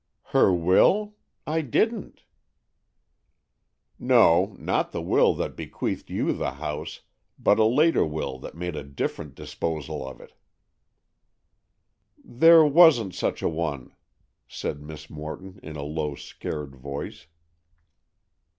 "Her will? I didn't!" "No, not the will that bequeathed you the house, but a later will that made a different disposal of it." "There wasn't such a one," said Miss Morton, in a low, scared voice.